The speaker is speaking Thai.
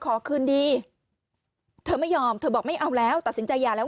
ขอคืนดีเธอไม่ยอมเธอบอกไม่เอาแล้วตัดสินใจหย่าแล้ว